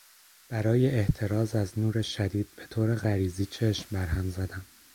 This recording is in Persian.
برای احتراز از نور شدید به طور غریزی چشم برهم زدم.